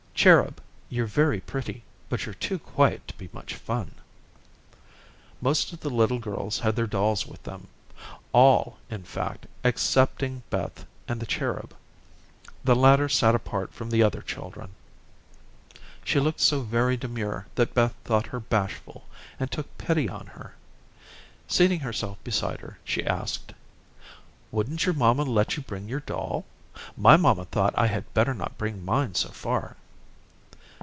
Cherub, you're very pretty, but you're too quiet to be much fun." Most of the little girls had their dolls with them; all, in fact, excepting Beth and the "Cherub." The latter sat apart from the other children. She looked so very demure that Beth thought her bashful, and took pity on her. Seating herself beside her, she asked: "Wouldn't your mamma let you bring your doll? My mamma thought I had better not bring mine so far."